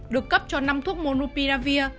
được cấp cho năm thuốc monopiravir